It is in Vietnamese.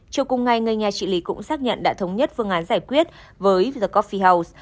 trong cùng ngày người nhà chị lý cũng xác nhận đã thống nhất phương án giải quyết với the coffee house